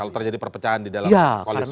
kalau terjadi perpecahan di dalam koalisi